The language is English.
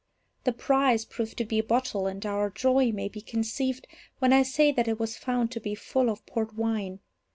The prize proved to be a bottle, and our joy may be conceived when I say that it was found to be full of port wine.